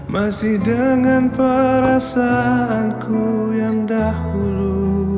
masih dengan perasaanku yang dahulu